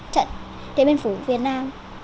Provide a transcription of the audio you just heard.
trận đế biên phủ việt nam